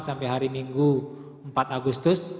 sampai hari minggu empat agustus